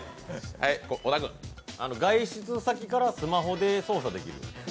外出先からスマホで操作できる？